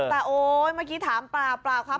แต่โอ๊ยเมื่อกี้ถามเปล่าครับ